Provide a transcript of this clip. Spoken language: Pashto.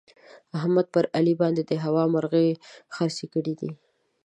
احمد پر علي باندې د هوا مرغۍ خرڅې کړې دي.